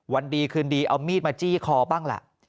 วันดีคืนดีเอามีดมาจี้คอบ้างล่ะ